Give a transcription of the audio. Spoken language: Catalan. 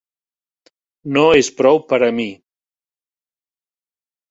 No és prou per a mi.